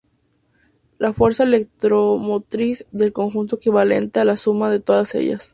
La fuerza electromotriz del conjunto equivale a la suma de todas ellas.